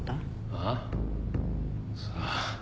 あっ？さあ。